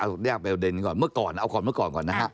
เอายากเปลว่าเดิมก่อนเมื่อก่อนเอาความเมื่อก่อนก่อนนะฮะ